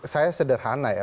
saya sederhana ya